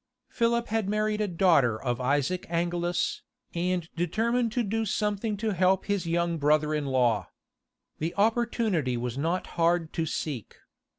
Philip had married a daughter of Isaac Angelus, and determined to do something to help his young brother in law. The opportunity was not hard to seek.